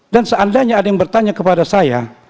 dan seandainya ada yang bertanya kepada saya